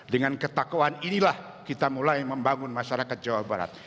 dengan ketakwaan inilah kita mulai membangun masyarakat jawa barat